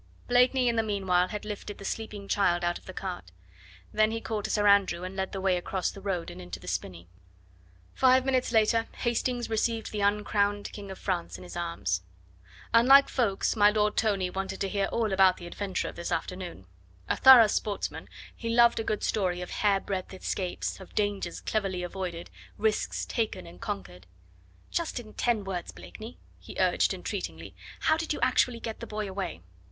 Blakeney in the meanwhile had lifted the sleeping child out of the cart. Then he called to Sir Andrew and led the way across the road and into the spinney. Five minutes later Hastings received the uncrowned King of France in his arms. Unlike Ffoulkes, my Lord Tony wanted to hear all about the adventure of this afternoon. A thorough sportsman, he loved a good story of hairbreadth escapes, of dangers cleverly avoided, risks taken and conquered. "Just in ten words, Blakeney," he urged entreatingly; "how did you actually get the boy away?"